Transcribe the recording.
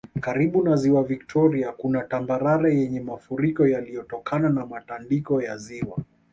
Karibu na Ziwa Viktoria kuna tambarare yenye mafuriko yaliyotokana na matandiko ya ziwa